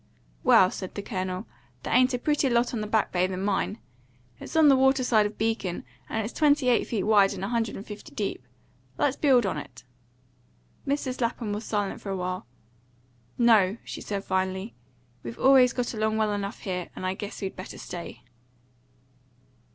"Well," said the Colonel, "there ain't a prettier lot on the Back Bay than mine. It's on the water side of Beacon, and it's twenty eight feet wide and a hundred and fifty deep. Let's build on it." Mrs. Lapham was silent a while. "No," she said finally; "we've always got along well enough here, and I guess we better stay."